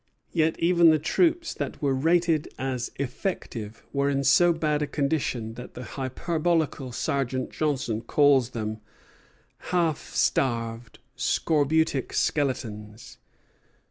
Yet even the troops that were rated as effective were in so bad a condition that the hyperbolical Sergeant Johnson calls them "half starved, scorbutic skeletons."